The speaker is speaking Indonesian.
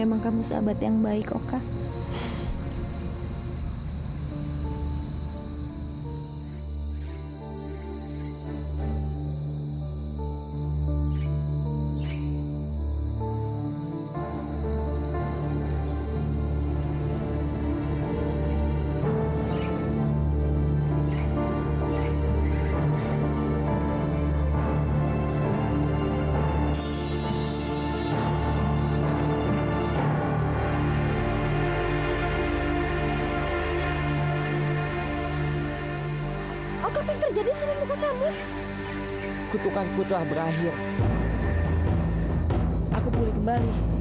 aku akan pergi mencari dia